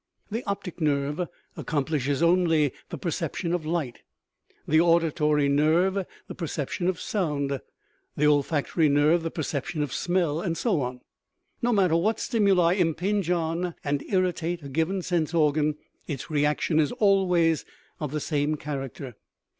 The optic nerve accomplishes only the perception of light, the auditory nerve the perception of sound, the olfac tory nerve the perception of smell, and so on. No mat ter what stimuli impinge on and irritate a given sense organ, its reaction is always of the same character.